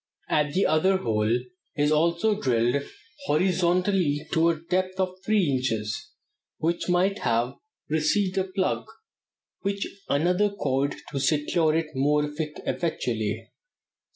At the other end a hole is also drilled horizontally to a depth of three inches, which might have received a plug, with another cord to secure it more effectually.